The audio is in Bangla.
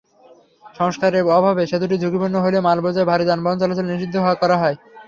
সংস্কারের অভাবে সেতুটি ঝুঁকিপূর্ণ হলে মালবোঝাই ভারী যানবাহন চলাচল নিষিদ্ধ করা হয়।